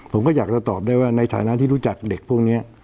ผมก็อยากจะตอบได้ว่าในฐานะที่รู้จักเด็กพวกนี้